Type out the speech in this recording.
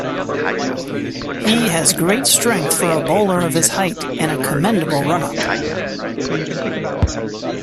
He has great strength for a bowler of his height and a commendable run-up.